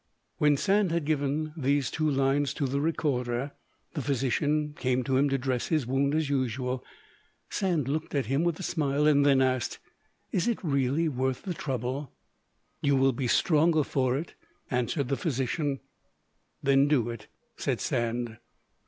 When Sand had given these two lines to the recorder, the physician came to him to dress his wound, as usual. Sand looked at him with a smile, and then asked, "Is it really worth the trouble?" "You will be stronger for it," answered the physician. "Then do it," said Sand.